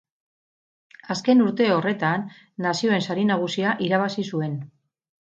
Azken urte horretan, Nazioen Sari Nagusia irabazi zuen.